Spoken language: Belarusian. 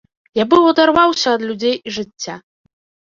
Я быў адарваўся ад людзей і жыцця.